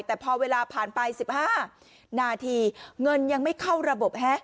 แต่พอเวลาผ่านไป๑๕นาทีเงินยังไม่เข้าระบบ